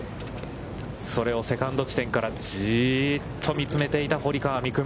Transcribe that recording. それをセカンド地点からじいっと見詰めていた堀川未来